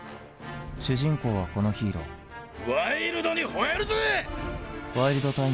主人公はこのヒーローワイルドに吠えるぜ！